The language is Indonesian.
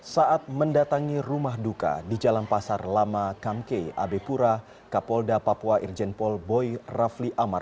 saat mendatangi rumah duka di jalan pasar lama kamke abe pura kapolda papua irjen pol boy rafli amar